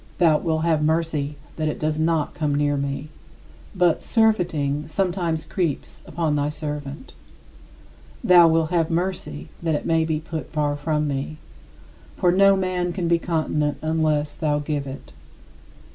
Thou wilt have mercy that it does not come near me. But "surfeiting" sometimes creeps upon thy servant. Thou wilt have mercy that it may be put far from me. For no man can be continent unless thou give it.